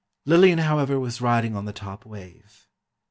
Lillian, however, was riding on the top wave.